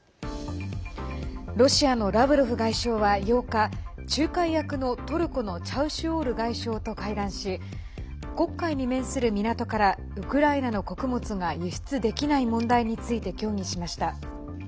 ロシアのラブロフ外相は８日仲介役のトルコのチャウシュオール外相と会談し黒海に面する港からウクライナの穀物が輸出できない問題について協議しました。